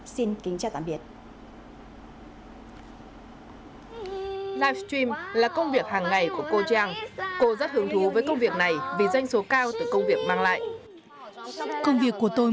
xin kính chào tạm biệt